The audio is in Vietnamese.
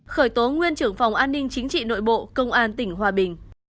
khởi tố nguyên trưởng phòng an ninh chính trị nội bộ công an tỉnh hòa bình